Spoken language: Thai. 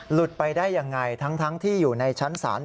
หลุดไปได้ยังไงทั้งที่อยู่ในชั้นศาล